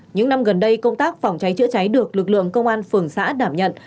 những năm gần đây công tác phòng cháy chữa cháy được lực lượng công an phường xã đảm nhận